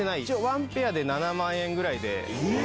ワンペアで７万円ぐらい。